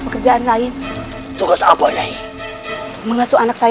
pekerjaan lain tugas apa ya mengasuh anak